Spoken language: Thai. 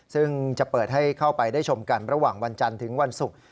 ซึ่งจะเปิดให้เข้าไปได้ชมกันระหว่างวันจันทร์ถึงวันศุกร์